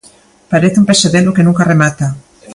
Parece un pesadelo que nunca remata.